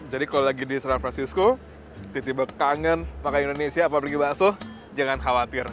jadi kalau lagi di san francisco tiba tiba kangen pakai indonesia atau pergi bakso jangan khawatir